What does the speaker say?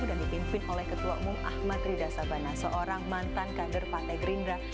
dan dipimpin oleh ketua umum ahmad rida sabana seorang mantan kader partai gerindra